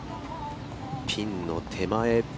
ピンの手前。